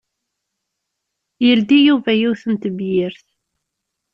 Yeldi Yuba yiwet n tebyirt.